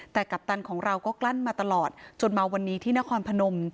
แต่กัปตันของเราก็กลั้นมาตลอดจนมาวันนี้ที่นครพนม